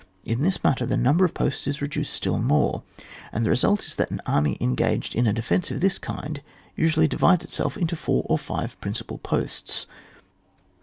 In this manner the num ber of posts is reduced still more, and the result is that an army engaged in a defence of this kind, usually divides itself into four or five principal posts.